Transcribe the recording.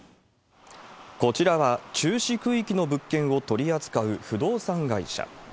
こちらは、注視区域の物件を取り扱う不動産会社。